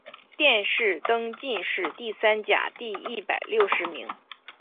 殿试登进士第三甲第一百六十名。